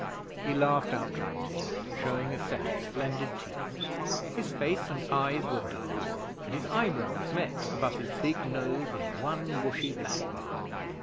He laughed outright, showing a set of splendid teeth. His face and eyes were dark, and his eyebrows met above his big nose in one bushy black bar.